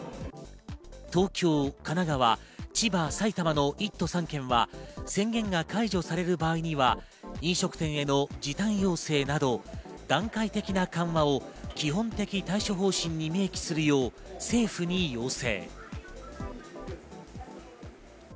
東京、神奈川、千葉、埼玉の１都３県は宣言が解除される場合には飲食店への時短要請など、段階的な緩和を基本的対処方針に明記するよう政府に要請。